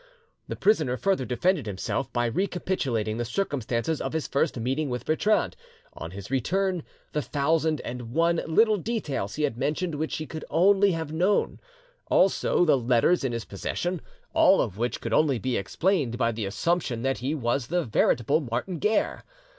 The prisoner further defended himself by recapitulating the circumstances of his first meeting with Bertrande, on his return, the thousand and one little details he had mentioned which he only could have known, also the letters in his possession, all of which could only be explained by the assumption that he was the veritable Martin Guerre.